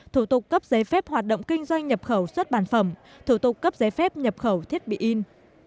thủ tục cấp giấy phép hoạt động kinh doanh nhập khẩu xuất bản phẩm thủ tục cấp giấy phép nhập khẩu thiết bị in